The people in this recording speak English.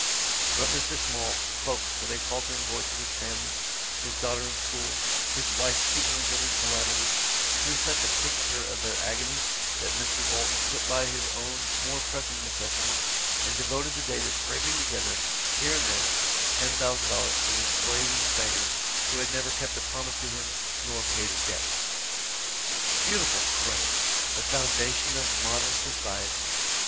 But Mr. Small spoke with a faltering voice of his family, his daughter in school, his wife ignorant of his calamity, and drew such a picture of their agony, that Mr. Bolton put by his own more pressing necessity, and devoted the day to scraping together, here and there, ten thousand dollars for this brazen beggar, who had never kept a promise to him nor paid a debt. Beautiful credit! The foundation of modern society.